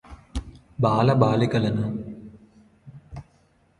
బాల బాలికలను